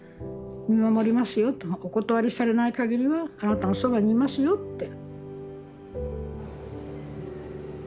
お断りされないかぎりはあなたのそばにいますよって。